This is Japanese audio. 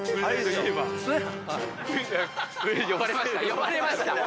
呼ばれました。